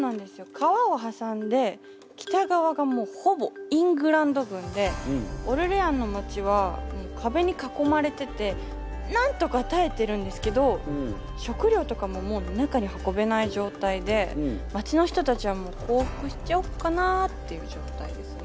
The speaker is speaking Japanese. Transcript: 川を挟んで北側がもうほぼイングランド軍でオルレアンの街はもう壁に囲まれててなんとか耐えてるんですけど食料とかももう中に運べない状態で街の人たちはもう降伏しちゃおっかなっていう状態ですね。